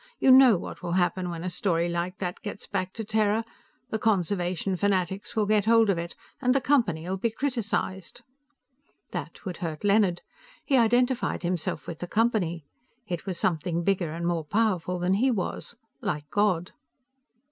You know what will happen when a story like that gets back to Terra. The conservation fanatics will get hold of it, and the Company'll be criticized." That would hurt Leonard. He identified himself with the Company. It was something bigger and more powerful than he was, like God.